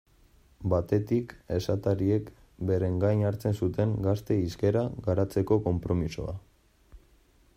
Batetik, esatariek beren gain hartzen zuten gazte hizkera garatzeko konpromisoa.